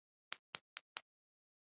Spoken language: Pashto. • عاجزي د انسان ښکلی خوی دی.